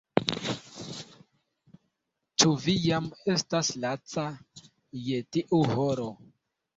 Ĉu vi jam estas laca je tiu horo?